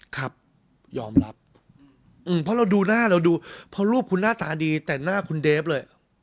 ครับยอมรับเพราะเราดูหน้าเราดูเพราะรูปคุณหน้าตาดีแต่หน้าคุณเดฟเลย